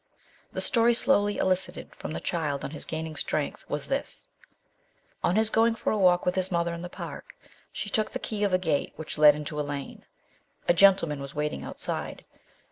The story slowly elicited from the child on his gaining strength was this. On his going for a walk with his mother in the park, she took the key of a gate which led into a lane. A gentleman was waiting outside.